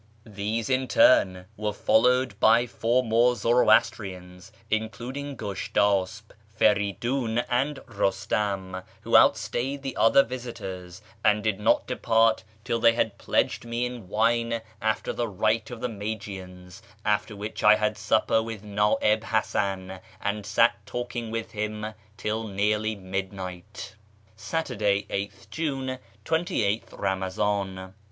These, in turn, were followed by four more Zoroastrians, including Gushtasp, Feridiin, and Eustam, who outstayed the other visitors, and did not depart till they had pledged me in wine after the rite of the Magians, after which I had siqjper with Na'ib Hasan, and sat talking w4th him till nearly midnight. Saturday, 8 th June, 28tJi Baonazdn.